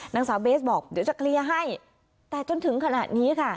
นางสาวเบสบอกเดี๋ยวจะเคลียร์ให้แต่จนถึงขณะนี้ค่ะ